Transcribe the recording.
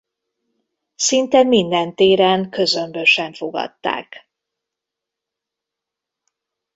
Szinte minden téren közömbösen fogadták.